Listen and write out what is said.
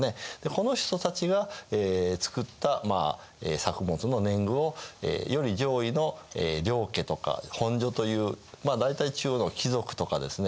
この人たちが作った作物の年貢をより上位の領家とか本所というまあ大体中央の貴族とかですね